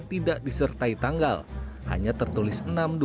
tidak disertai tanggal hanya tertulis enam dua ribu dua puluh satu